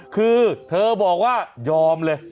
คือเธอบอกว่ายอมเลย